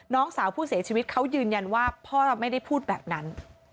น้องสาวผู้เสียชีวิตเขายืนยันว่าพ่อไม่ได้พูดแบบนั้น